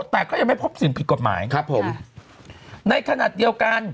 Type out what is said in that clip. แต่ก็ยังไม่พบสิ่งผิดกฎหมายครับผมในขณะเดียวกัน